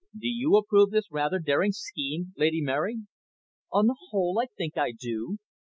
"Do you approve this rather daring scheme, Lady Mary?" "On the whole, I think I do.